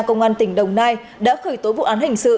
công an tỉnh đồng nai đã khởi tố vụ án hình sự